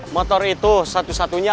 motor itu satu satunya